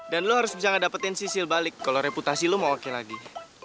dan lo harus bisa ngedapetin sisil balik kalo reputasi lo mau oke lagi